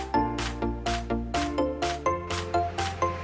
bisa ditambahkan dengan lemon